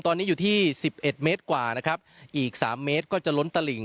ตอนนี้อยู่ที่สิบเอ็ดเมตรกว่านะครับอีกสามเมตรก็จะล้นตลิ่ง